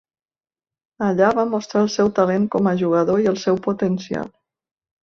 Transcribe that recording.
Allà va mostrar el seu talent com a jugador i el seu potencial.